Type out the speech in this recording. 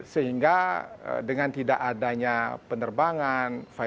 sehingga dengan tidak adanya penerbangan virus corona ini